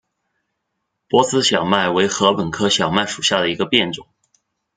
波斯小麦为禾本科小麦属下的一个变种。